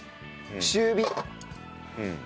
中火。